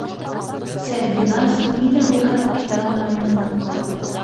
- Сәрбиназ ни ҙә булһа әйтә алмай тынып ҡалды.